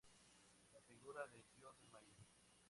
La figura del dios del maíz.